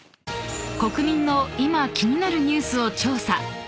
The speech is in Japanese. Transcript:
［国民の今気になるニュースを調査］